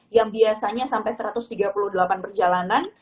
yang biasanya sampai satu ratus tiga puluh delapan perjalanan